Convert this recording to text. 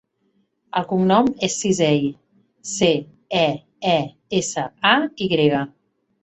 El cognom és Ceesay: ce, e, e, essa, a, i grega.